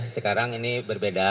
sekarang ini berbeda